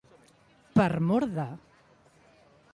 Per mor de.